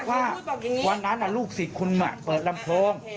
ว่าวันนั้นลูกศิษย์คุณเปิดลำโพง